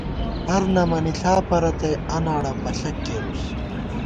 ہر نَمَنِݪا پرَتئی ، انَاڑہ پݪَک کېرُوس